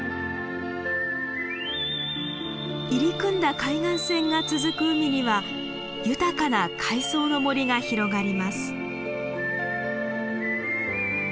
入り組んだ海岸線が続く海には豊かな海藻の森が広がります。